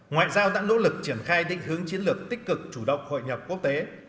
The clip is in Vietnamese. ngoại giao đã nỗ lực triển khai định hướng chiến lược tích cực chủ động hội nhập quốc tế